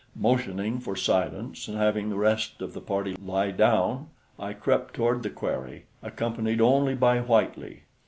Motioning for silence and having the rest of the party lie down, I crept toward the quarry, accompanied only by Whitely.